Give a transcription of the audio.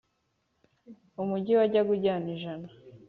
umugi wajyaga ujyana ijana,